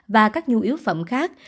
và các nhu yếu phẩm khác